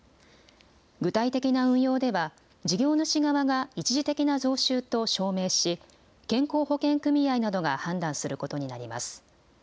具体的な運用では、事業主側が一時的な増収と証明し、健康保険組合などが判断することになります。